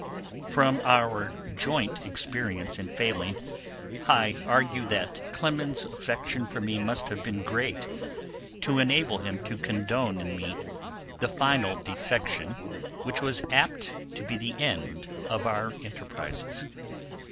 XI. From our joint experience in failing I argue that Clemens's affection for me must have been great to enable him to condone in me the final defection which was apt to be the end of our enterprises.